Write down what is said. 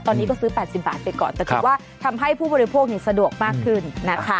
ตอนนี้ก็ซื้อ๘๐บาทไปก่อนแต่ถือว่าทำให้ผู้บริโภคสะดวกมากขึ้นนะคะ